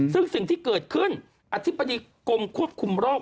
ซึ่งสิ่งที่เกิดขึ้นอธิบดีกรมควบคุมโรค